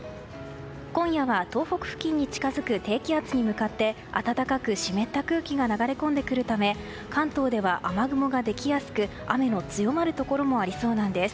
今夜は東北付近に近づく低気圧に向かって暖かく湿った空気が流れ込んでくるため関東では雨雲ができやすく雨の強まるところもありそうなんです。